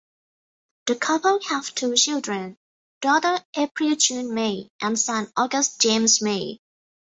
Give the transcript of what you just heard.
The couple have two children, daughter April June May and son August James May.